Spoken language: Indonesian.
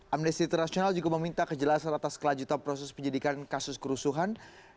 amnesty international juga meminta kejelasan atas kelanjutan proses penyidikan kasus kerusuhan